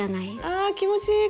ああ気持ちいい！